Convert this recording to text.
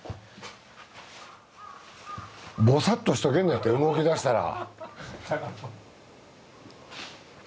ボサッとしとけんのやて動きだしたら。